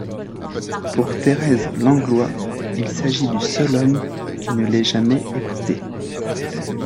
Pour Thérèse Langlois il s'agit du seul homme qui ne l'ait jamais écouté.